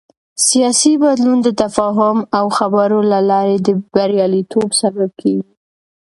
سیاسي بدلون د تفاهم او خبرو له لارې د بریالیتوب سبب کېږي